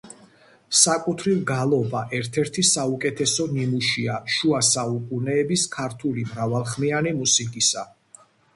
საკუთრივ გალობა, ერთ-ერთი საუკეთესო ნიმუშია შუა საუკუნეების ქართული მრავალხმიანი მუსიკისა.